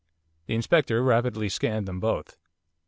The Inspector rapidly scanned them both.